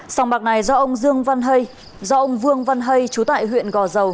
sòng bạc này do ông dương văn hay do ông vương văn hay chú tại huyện gò dầu